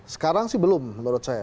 sekarang sih belum menurut saya